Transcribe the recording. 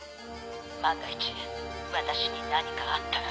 万が一私に何かあったら。